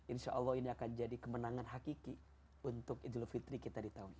insya allah ini akan jadi kemenangan hakiki untuk idul fitri kita di tahun ini